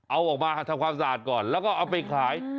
เอาออกมาทำความสะอาดก่อนแล้วก็เอาไปขาย